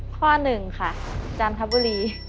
ข้อ๑ค่ะจันทบุรี